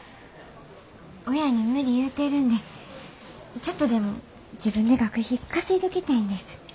親に無理言うてるんでちょっとでも自分で学費稼いどきたいんです。